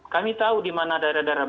kami tahu di mana daerah daerah